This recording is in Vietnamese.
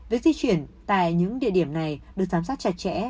việc di chuyển tại những địa điểm này được giám sát chặt chẽ